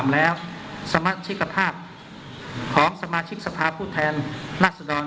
แล้วสมาชิกภาพของสมาชิกสภาพผู้แทนราชดร